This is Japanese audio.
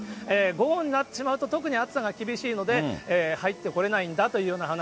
午後になってしまうと特に暑さが厳しいので、入ってこれないんだという話。